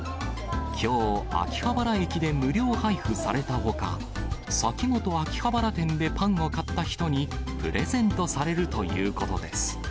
きょう、秋葉原駅で無料配布されたほか、嵜本秋葉原店でパンを買った人にプレゼントされるということです。